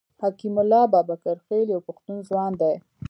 حکیم الله بابکرخېل یو پښتون ځوان دی.